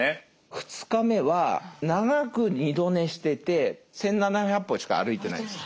２日目は長く２度寝してて１，７００歩しか歩いてないんです。